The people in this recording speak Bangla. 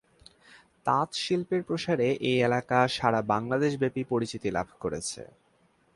তাঁত শিল্পের প্রসারে এই এলাকা সারা বাংলাদেশ ব্যাপী পরিচিতি লাভ করেছে।